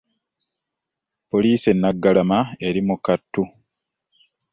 Poliisi e Naggalama eri mu kattu